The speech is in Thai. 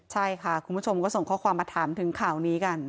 ใช่ค่ะคุณผู้ชมก็ส่งข้อความมาถามถึงข่าวนี้กัน